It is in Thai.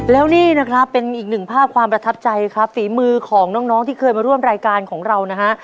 แล้วนี่นะครับเป็นอีกหนึ่งภาพความประทับใจครับฝีมือของน้องที่เคยมาร่วมรายการของเรานะฮะ